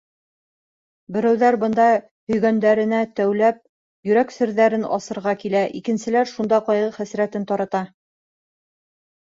Берәүҙәр бында һөйгәндәренә тәүләп йөрәк серҙәрен асырға килә, икенселәр шунда ҡайғы-хәсрәтен тарата...